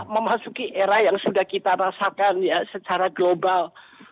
memasuki era yang sudah kita rasakan ya secara global